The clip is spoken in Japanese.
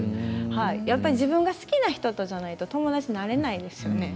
やっぱり自分が好きな人とじゃないと友達になれないですね。